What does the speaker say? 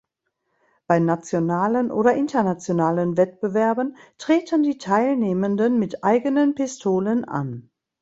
Bei nationalen oder internationalen Wettbewerben treten die Teilnehmenden mit eigenen Pistolen an.